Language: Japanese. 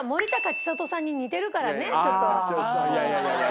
いやいやいやいや。